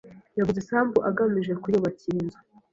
Yaguze isambu agamije kuyubakira inzu.